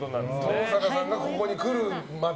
登坂さんがここに来るまで。